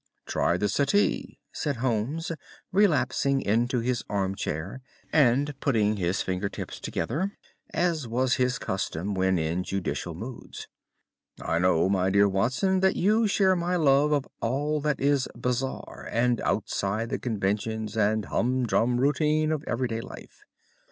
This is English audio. "Try the settee," said Holmes, relapsing into his armchair and putting his fingertips together, as was his custom when in judicial moods. "I know, my dear Watson, that you share my love of all that is bizarre and outside the conventions and humdrum routine of everyday life.